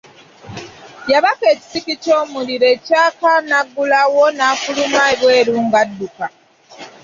Yabaka ekisiki ky'omuliro ekyaka n'aggulawo n'afuluma ebweru ng'adduka.